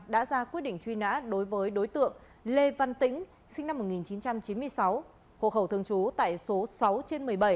đã ra quyết định truy nã đối với đối tượng lê văn tĩnh sinh năm một nghìn chín trăm chín mươi sáu hộ khẩu thường trú tại số sáu trên một mươi bảy